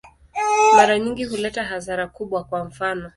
Mara nyingi huleta hasara kubwa, kwa mfano.